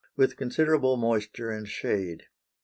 with considerable moisture and shade.